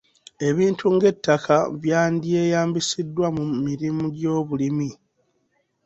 Ebintu ng'ettaka byandyeyambisiddwa mu mirimu gy'obulimi.